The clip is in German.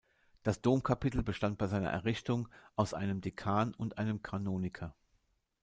Das Domkapitel bestand bei seiner Errichtung aus einem Dekan und einem Kanoniker.